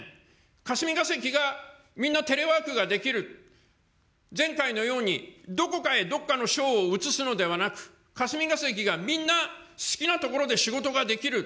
霞が関が、みんなテレワークができる、前回のように、どこかへどっかの省を移すのではなく、霞が関がみんな好きな所で仕事ができる。